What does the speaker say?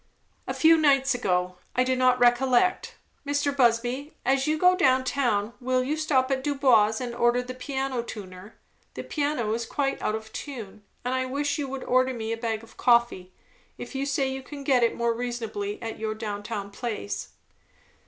"A few nights ago. I do not recollect. Mr. Busby, as you go down town will you stop at Dubois's and order the piano tuner? The piano is quite out of tune. And I wish you would order me a bag of coffee, if you say you can get it more reasonably at your down town place."